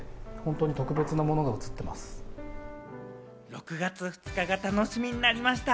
６月２日が楽しみになりました。